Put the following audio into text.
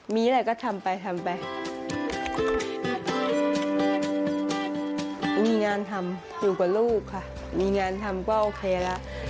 มีงานทำอยู่กับลูกค่ะมีงานทำก็โอเคแล้ว